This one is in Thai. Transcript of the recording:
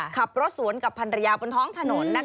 ขับรถสวนกับพันรยาบนท้องถนน